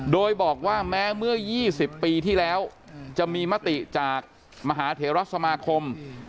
โดยบอกว่าแม้เมื่อ๒๐ปีที่แล้วจะมีมติจากมหาเทราสมาคม